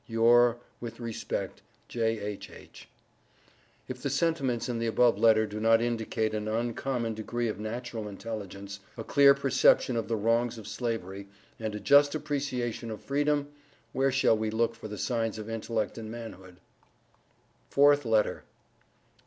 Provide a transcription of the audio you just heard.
Your with Respect, J.H.H. If the sentiments in the above letter do not indicate an uncommon degree of natural intelligence, a clear perception of the wrongs of Slavery, and a just appreciation of freedom, where shall we look for the signs of intellect and manhood? FOURTH LETTER.